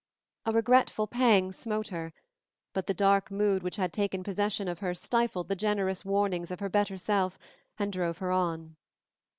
A regretful pang smote her, but the dark mood which had taken possession of her stifled the generous warnings of her better self and drove her on.